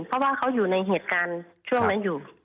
เพราะว่าเขาอยู่ในเหตุการณ์ช่วงนั้นอยู่